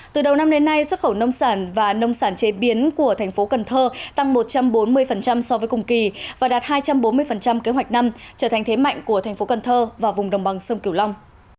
từ đầu năm đến nay xuất khẩu nông sản và nông sản chế biến của thành phố cần thơ tăng một trăm bốn mươi so với cùng kỳ và đạt hai trăm bốn mươi kế hoạch năm trở thành thế mạnh của thành phố cần thơ và vùng đồng bằng sông cửu long